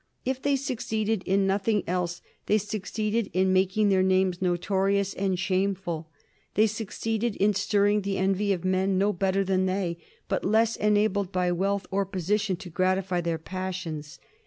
If they succeeded in nothing else, they succeeded in making their names notorious and shameful, they succeeded in stirring the envy of men no better than they, but less enabled by wealth or position to gratify their passions.